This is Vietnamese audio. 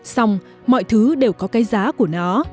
xong mọi thứ đều có cái giá của nó